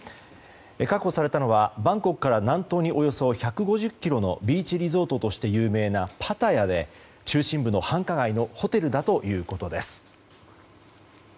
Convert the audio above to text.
確保されたのはバンコクから南東におよそ１５０ｋｍのビーチリゾートとして有名なパタヤで中心部の繁華街のホテルだということです。